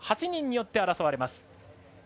８人によって争われます。